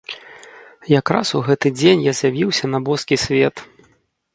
Якраз у гэты дзень я з'явіўся на боскі свет.